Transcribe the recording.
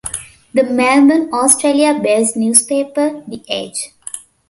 The Melbourne, Australia-based newspaper, "The Age".